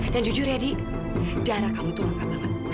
dan jujur ya di darah kamu tuh lengkap banget